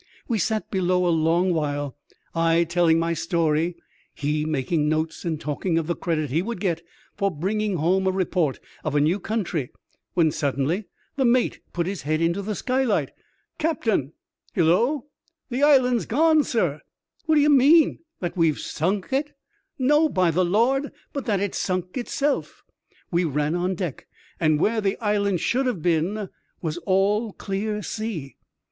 We sat below a long while, I telling my story, he making notes and talking of the credit he would get for bringing homo a report of a new country, when suddenly the mate put his head into the skylight. 42 EXTSAOBDINABY ADVENTURE OF A CHIEF MATE. " Captain !''Hillo !"" The island's gone, sir." "What d'ye mean ? that we've sunk it ?"" No, by the Lord ; but that it's sunk itself." We ran on deck, and where the island should have been was all clear sea.